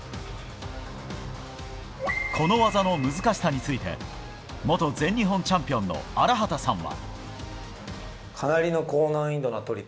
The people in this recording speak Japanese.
この技の難しさについて元全日本チャンピオンの荒畑さんは。